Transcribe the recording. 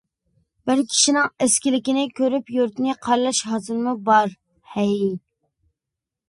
بىر كىشىنىڭ ئەسكىلىكىنى كۆرۈپ يۇرتنى قارىلاش ھازىرمۇ بار ھەي.